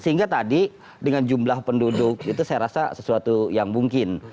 sehingga tadi dengan jumlah penduduk itu saya rasa sesuatu yang mungkin